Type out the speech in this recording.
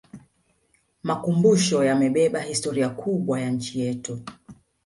makumusho yamebeba historia kubwa ya nchi yetu